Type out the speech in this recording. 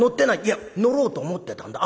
いや乗ろうと思ってたんだ。